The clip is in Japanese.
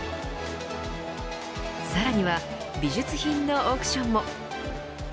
さらには美術品のオークションも。